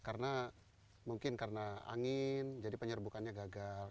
karena mungkin karena angin jadi penyerbukannya gagal